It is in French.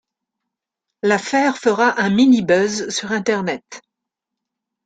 L'affaire fera un mini buzz sur internet.